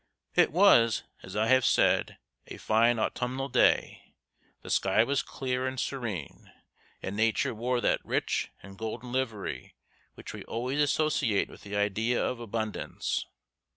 It was, as I have said, a fine autumnal day, the sky was clear and serene, and Nature wore that rich and golden livery which we always associate with the idea of abundance.